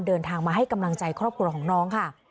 เดินทางมาให้กำลังใจครอบครัวของน้องค่ะ